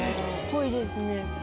濃いですね。